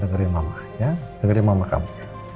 dengerin mama ya dengerin mama kamu